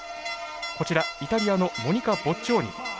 こちらイタリアのモニカ・ボッジョーニ。